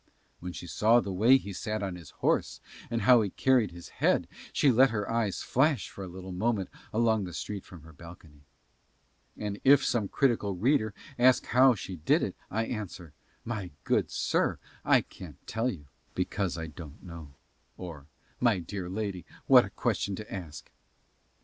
When she saw the way he sat his horse and how he carried his head she let her eyes flash for a little moment along the street from her balcony. And if some critical reader ask how she did it I answer, "My good sir, I can't tell you, because I don't know," or "My dear lady, what a question to ask!"